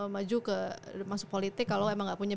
maju ke masuk politik kalau emang nggak punya